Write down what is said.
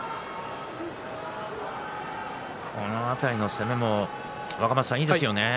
この辺りの攻めも若松さん、いいですよね。